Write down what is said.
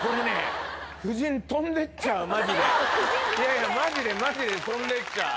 いやいやマジでマジで飛んでっちゃう。